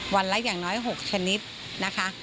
วันละอย่างน้อย๖ชนิดนะคะ